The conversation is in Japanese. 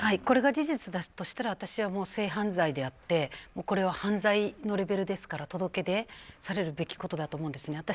これが事実だとしたら私は性犯罪であってこれは犯罪のレベルですから届出されることだと思うんですね。